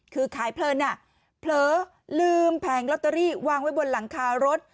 คือขายเพลินเผลอลืมแผงลอตเตอรี่วางไว้บนหลังคารถ